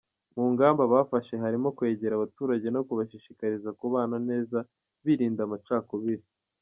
Mu ngamba bafashe harimo kwegera abaturage no kubashishikariza kubana neza birinda amacakubiri.